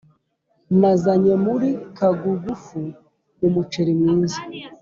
Nazanye muri kagugufu umuceri mwiza